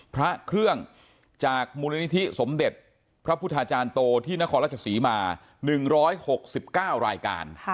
พระเครื่องจากมูลนิธิสมเด็จพระพุทธาจารย์โตที่นครราชศรีมา๑๖๙รายการ